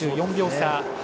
２４秒差。